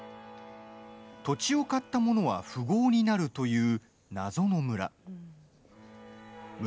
土地を買ったものは富豪になるという謎の村。